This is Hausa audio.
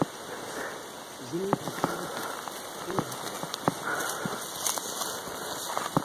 Zulai kyakkyawa ce, ko ba haka ba?